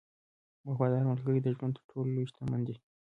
• وفادار ملګری د ژوند تر ټولو لوی شتمنۍ ده.